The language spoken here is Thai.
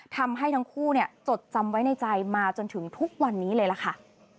ทำให้ทั้งคู่จดจำไว้ในใจมาจนถึงทุกวันนี้เลยล่ะค่ะ